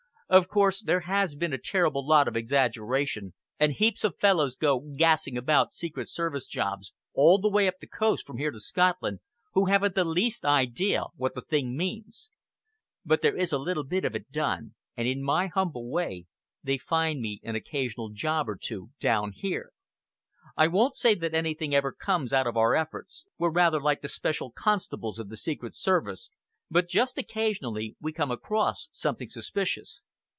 Of course, there has been a terrible lot of exaggeration, and heaps of fellows go gassing about secret service jobs, all the way up the coast from here to Scotland, who haven't the least idea what the thing means. But there is a little bit of it done, and in my humble way they find me an occasional job or two down here. I won't say that anything ever comes of our efforts we're rather like the special constables of the secret service but just occasionally we come across something suspicious."